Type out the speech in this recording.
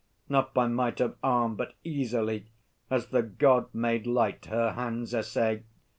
Not by might Of arm, but easily, as the God made light Her hand's essay.